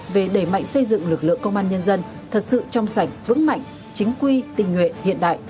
về đẩy mạnh xây dựng lực lượng công an nhân dân thật sự trong sạch vững mạnh chính quy tình nguyện hiện đại